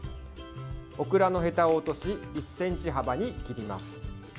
オクラのへたを落とし１ｃｍ幅に切ります。